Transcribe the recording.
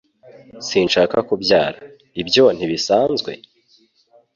Sinshaka kubyara. Ibyo ntibisanzwe?